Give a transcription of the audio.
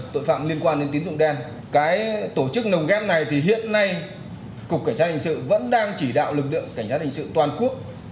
tội phạm liên quan đến tín dụng đen cái tổ chức nồng ghép này thì hiện nay cục cảnh sát hình sự vẫn đang chỉ đạo lực lượng cảnh sát hình sự toàn quốc